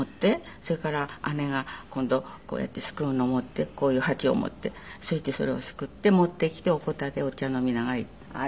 それから姉が今度こうやってすくうの持ってこういう鉢を持ってそれでそれをすくって持ってきておこたでお茶飲みながら食べました。